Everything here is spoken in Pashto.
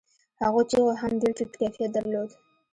هغو چيغو هم ډېر ټيټ کيفيت درلود.